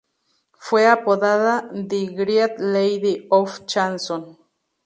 Fue apodada "The Great Lady Of Chanson".